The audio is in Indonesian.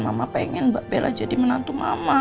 mama pengen mbak bella jadi menantu mama